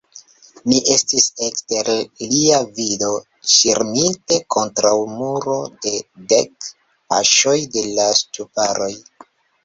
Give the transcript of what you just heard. Ni estis ekster lia vido, ŝirmite kontraŭ muro, je dek paŝoj de la ŝtuparo.